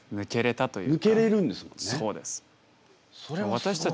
私たち